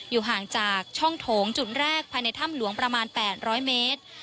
ห่างจากช่องโถงจุดแรกภายในถ้ำหลวงประมาณ๘๐๐เมตร